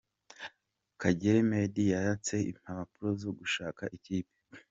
Kagere Meddie yatse impapuro zo gushaka ikipe .